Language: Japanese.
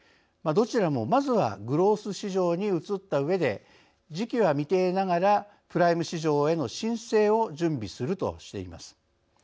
どちらもまずはグロース市場に移ったうえで時期は未定ながらプライム市場への申請を準備するとしています。